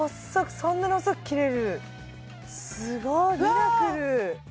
そんなに細く切れるすごいミラクルうわ